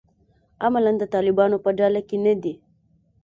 عملاً د طالبانو په ډله کې نه دي.